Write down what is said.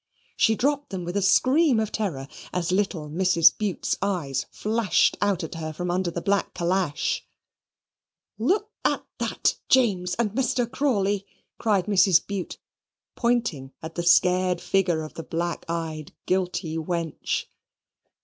She dropped them with a scream of terror, as little Mrs. Bute's eyes flashed out at her from under her black calash. "Look at that, James and Mr. Crawley," cried Mrs. Bute, pointing at the scared figure of the black eyed, guilty wench.